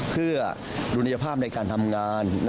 เพื่อดุลยภาพในการทำงาน